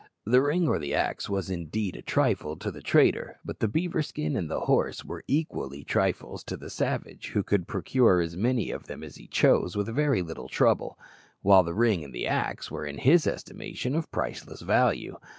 The ring or the axe was indeed a trifle to the trader, but the beaver skin and the horse were equally trifles to the savage, who could procure as many of them as he chose with very little trouble, while the ring and the axe were in his estimation of priceless value.